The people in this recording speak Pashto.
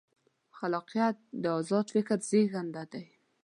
خلاقیت د ازاد فکر زېږنده دی.